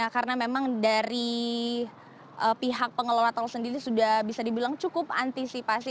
karena memang dari pihak pengelola tol sendiri sudah bisa dibilang cukup antisipasi